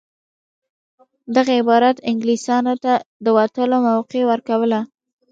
دغه عبارت انګلیسیانو ته د وتلو موقع ورکوله.